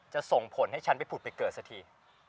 ส่งผลให้ฉันไปผุดไปเกิดสักที